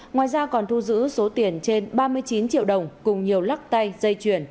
ngoài ra còn thu giữ số tiền trên ba mươi chín triệu đồng cùng nhiều lắc tay dây chuyển